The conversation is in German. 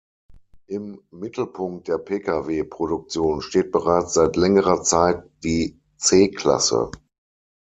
Im Mittelpunkt der Pkw-Produktion steht bereits seit längerer Zeit die C-Klasse.